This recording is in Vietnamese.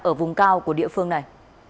ở vùng cao của địa phương này